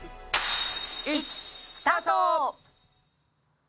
スタート！